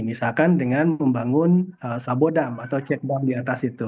misalkan dengan membangun sabodam atau check bom di atas itu